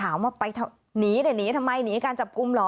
ถามว่าไปหนีได้หนีทำไมหนีการจับกลุ่มเหรอ